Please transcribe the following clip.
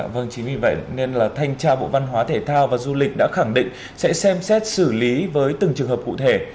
vâng chính vì vậy nên là thanh tra bộ văn hóa thể thao và du lịch đã khẳng định sẽ xem xét xử lý với từng trường hợp cụ thể